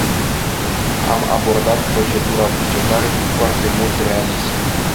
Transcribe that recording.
Am abordat procedura bugetară cu foarte mult realism.